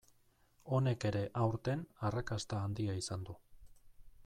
Honek ere aurten arrakasta handia izan du.